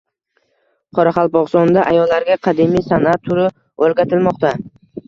Qoraqalpog‘istonda ayollarga qadimiy san’at turi o‘rgatilmoqda